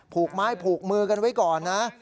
ผูกไม้ผูกมือกันไว้ก่อนนะ